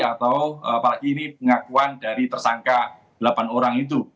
atau apalagi ini pengakuan dari tersangka delapan orang itu